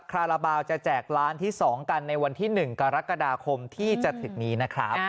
คาราบาลจะแจกล้านที่๒กันในวันที่๑กรกฎาคมที่จะถึงนี้นะครับ